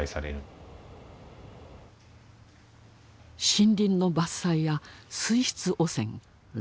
森林の伐採や水質汚染乱獲。